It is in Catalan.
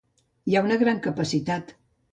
Hi ha una gran capacitat.